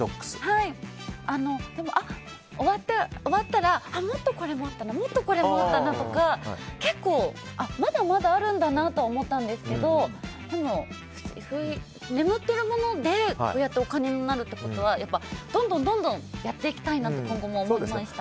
終わったら、もっとこれもあったなこれもあったなとか結構、まだまだあるんだなとは思ったんですけどでも、眠ってるものでこうやってお金になるということはどんどんやっていきたいなと思いました。